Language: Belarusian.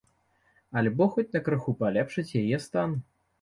Альбо хоць крыху палепшыць яе стан?